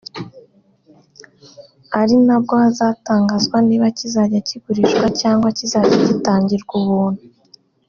ari nabwo hazatangazwa niba kizajya kigurishwa cyangwa kizajya gitangirwa ubuntu